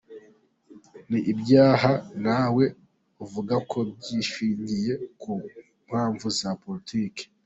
Ni ibyaha na we avuga ko bishingiye ku mpamvu za politiki.